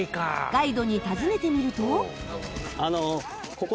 ガイドに尋ねてみると。